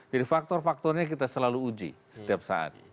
jadi faktor faktornya kita selalu uji setiap saat